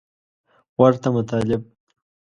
ورته مطالب